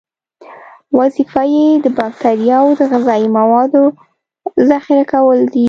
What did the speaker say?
وظیفه یې د باکتریاوو د غذایي موادو ذخیره کول دي.